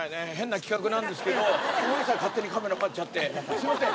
すいません！